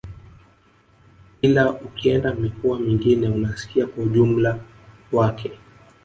Ila ukienda mikoa mingine unasikia kwa ujumla wake